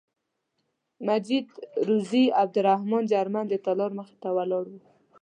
مجید روزي او عبدالرحمن جرمن د تالار مخې ته ولاړ وو.